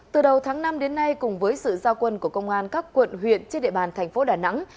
từ đầu tháng năm đến nay cùng với sự giao quân của công an các quận huyện trên địa bàn thành phố đà nẵng